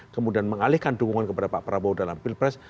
kemudian mengalihkan dukungan kepada pak prabowo dalam pilpres